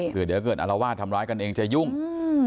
คือเดี๋ยวเกิดอารวาสทำร้ายกันเองจะยุ่งอืม